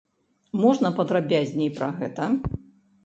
Можна падрабязней пра гэта?